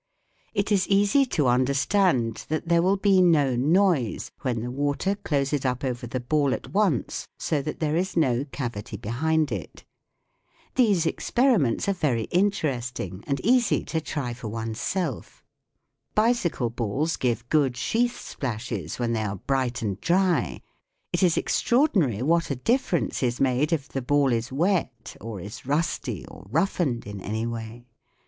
It is easy to understand that there will be no noise when the water closes up over the ball at once, so that there is no cavity behind it. These experiments are very interesting and easy to try for one's self. Bicycle balls give good sheath splashes when they are bright and dry : it is extraordinary what a difference is made if the ball is wet, or is rusty, or roughened SOUNDS OF THE TOWN 73 in any way.